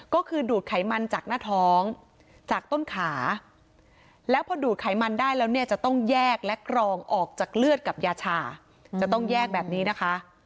ก็คือดูดไขมันจากหน้าท้องจากต้นขา